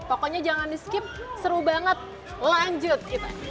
pokoknya jangan di skip seru banget lanjut